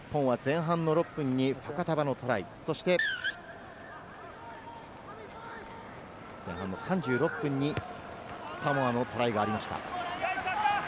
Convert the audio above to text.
日本は前半６分にファカタヴァのトライ、前半３６分にサモアのトライがありました。